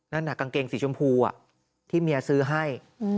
นั่นน่ะกางเกงสีชมพูที่เมียซื้อให้